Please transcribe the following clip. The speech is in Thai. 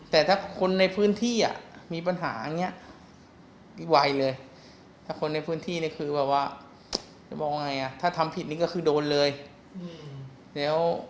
แต่ถ้าคนในพื้นที่มีปัญหาอย่างนี้อีกวัยเลยถ้าคนในพื้นที่คือแบบว่าจะบอกว่าไงถ้าทำผิดนี้ก็คือโดนเลย